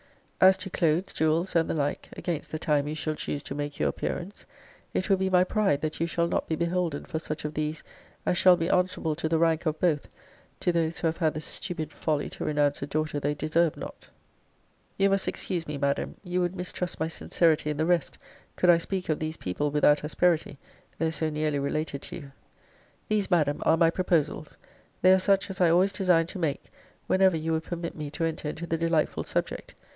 'As to clothes, jewels, and the like, against the time you shall choose to make your appearance, it will be my pride that you shall not be beholden for such of these, as shall be answerable to the rank of both, to those who have had the stupid folly to renounce a daughter they deserved not. You must excuse me, Madam: you would mistrust my sincerity in the rest, could I speak of these people without asperity, though so nearly related to you. 'These, Madam, are my proposals. They are such as I always designed to make, whenever you would permit me to enter into the delightful subject.